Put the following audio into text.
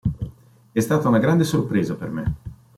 È stata una grande sorpresa per me.